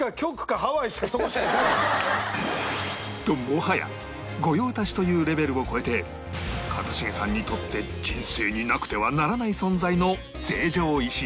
もはや御用達というレベルを超えて一茂さんにとって人生になくてはならない存在の成城石井